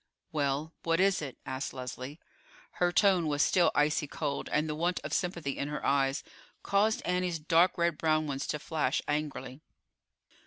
"Well. What is it?" asked Leslie. Her tone was still icy cold, and the want of sympathy in her eyes caused Annie's dark red brown ones to flash angrily.